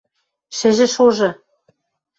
— Шӹжӹ шожы!